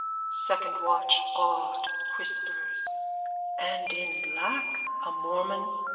SECOND WATCH: (Awed, whispers.) And in black. A mormon.